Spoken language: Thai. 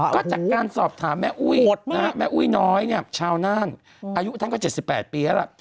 ก็จากการสอบถามแม่อุ้ยแม่อุ้ยน้อยเนี่ยชาวน่านอายุท่านก็๗๘ปีแล้วล่ะ